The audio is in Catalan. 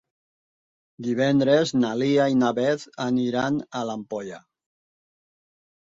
Divendres na Lia i na Beth aniran a l'Ampolla.